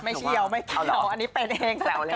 ไม่เชี่ยวไม่แก่วอันนี้เป็นเองถ้าเกิด